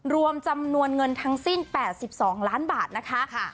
รวมจำนวนเงินทั้งสิ้น๘๒ล้านบาทนะคะ